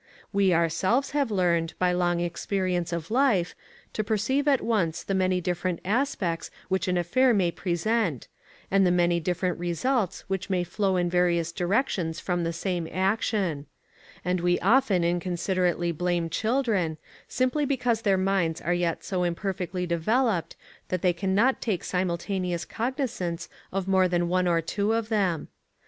We ourselves have learned, by long experience of life, to perceive at once the many different aspects which an affair may present, and the many different results which may flow in various directions from the same action; and we often inconsiderately blame children, simply because their minds are yet so imperfectly developed that they can not take simultaneous cognizance of more than one or two of them.